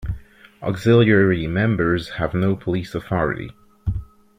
Auxiliary members have no police authority.